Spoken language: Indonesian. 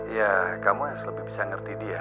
ya kamu harus lebih bisa ngerti dia